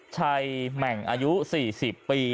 แหม่งอายุ๔๐ปี